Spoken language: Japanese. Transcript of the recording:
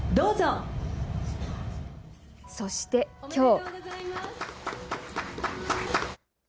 そして、きょう。